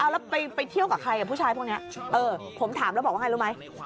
แล้วไปเที่ยวกับใครกับผู้ชายพวกนี้ผมถามแล้วบอกว่าไงรู้ไหม